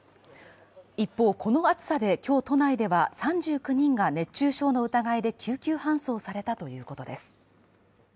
一方、この暑さで今日都内では３９人が熱中症の疑いで救急搬送されたということです。